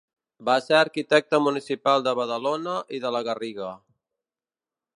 Va ser arquitecte municipal de Badalona i de la Garriga.